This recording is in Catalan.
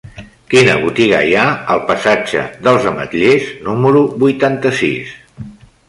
Quina botiga hi ha al passatge dels Ametllers número vuitanta-sis?